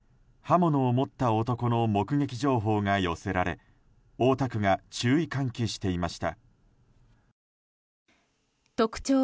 近所では一昨日刃物を持った男の目撃情報が寄せられ大田区が注意喚起していました。